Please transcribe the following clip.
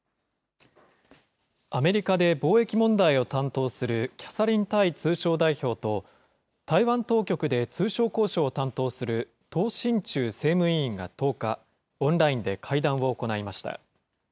アメリカで貿易問題を担当するキャサリン・タイ通商代表と、台湾当局で通商交渉を担当するトウ振中政務委員が１０日、オンラインで会談を行いました。